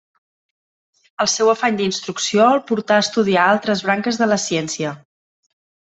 El seu afany d'instrucció el portà a estudiar altres branques de la ciència.